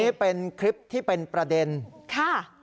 นี่เป็นคลิปที่เป็นประเด็นค่ะ